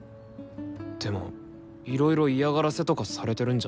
でもいろいろ嫌がらせとかされてるんじゃねの？